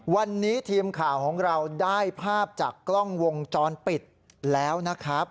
วันนี้ทีมข่าวของเราได้ภาพจากกล้องวงจรปิดแล้วนะครับ